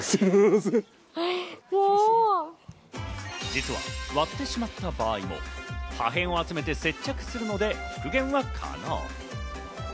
実は割ってしまった場合も破片を集めて接着するので復元は可能。